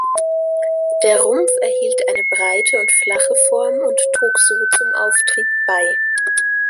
Der Rumpf erhielt eine breite und flache Form und trug so zum Auftrieb bei.